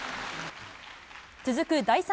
続く第３